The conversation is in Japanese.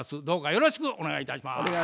どうかよろしくお願いいたします。